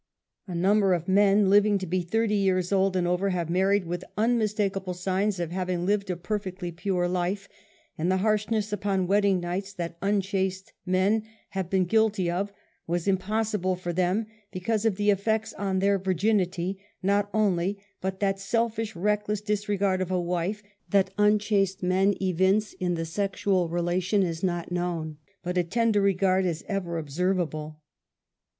PURE MANHOOD. 21 A number of men living to be 30 years old and; over, have married with unmistakable signs of hav ing lived a perfectly pure life, and the harshness upon wedding nights that unchaste men have been guilty of, was impossible with them, because of the effects on their virginity not only, but that selfish reckless disregard of a wife, that unchaste men evince in the^ sexual relation is not known, but a tender regard is ever observable.